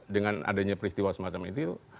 dengan adanya peristiwa semacam itu